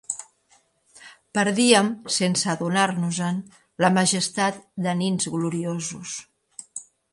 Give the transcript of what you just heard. Perdíem, sense adonar-nos-en, la majestat de nins gloriosos.